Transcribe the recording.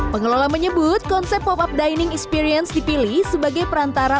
pengelola menyebut konsep pop up dining experience dipilih sebagai perantara